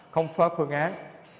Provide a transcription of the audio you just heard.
không phớp phương án